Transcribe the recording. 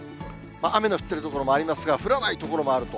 雨の降ってる所もありますが、降らない所もあると。